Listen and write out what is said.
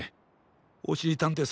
おしりたんていさん